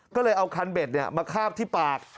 ก็เลยเอาคันเบ็ดมาคาบที่ปาก